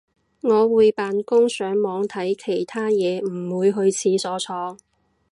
我會扮工上網睇其他嘢唔會去廁所坐